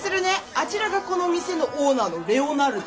あちらがこの店のオーナーのレオナルド。